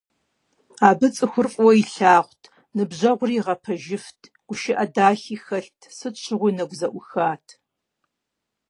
Абы цӏыхур фӏыуэ илъагъурт, ныбжьэгъури игъэпэжыфт, гушыӏэ дахи хэлът, сыт щыгъуи нэгу зэӏухат.